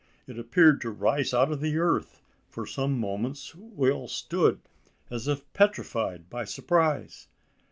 It appeared to rise out of the earth! For some moments, we all stood, as if petrified by surprise.